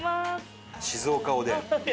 静岡おでん。